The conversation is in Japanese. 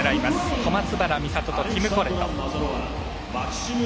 小松原美里とティム・コレト。